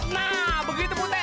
nah begitu putret